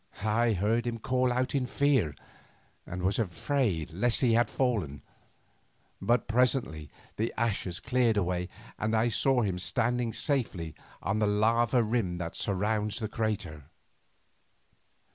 I heard him call out in fear, and was afraid lest he had fallen; but presently the ashes cleared away, and I saw him standing safely on the lava rim that surrounds the crater.